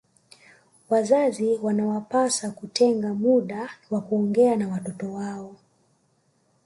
Wazazi wanawapasa kutenga muda wa kuongea na watoto wao